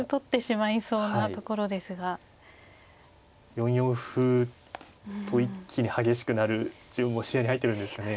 ４四歩と一気に激しくなる順も視野に入ってるんですかね。